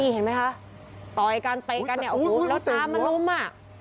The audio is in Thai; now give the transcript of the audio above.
เห็นมั้ยคะต่อยกันเตะกันเนี่ยโอ้โหโอ้ยเตะหัวแล้วตามมันลุ่มอ่ะ